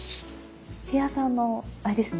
土屋さんのあれですね